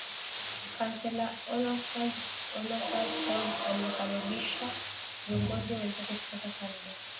Kansela Olaf Scholz aliwakaribisha viongozi wenzake kutoka Canada